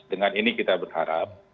dengan ini kita berharap